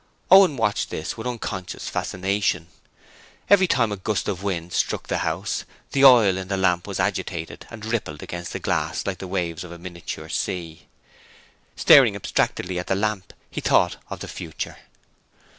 Owen watched this with unconscious fascination. Every time a gust of wind struck the house the oil in the lamp was agitated and rippled against the glass like the waves of a miniature sea. Staring abstractedly at the lamp, he thought of the future.